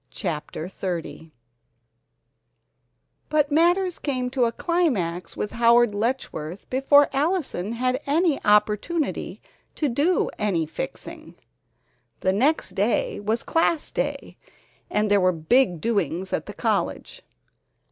CHAPTER XXX But matters came to a climax with Howard Letchworth before Allison had any opportunity to do any "fixing." The next afternoon was Class Day and there were big doings at the college.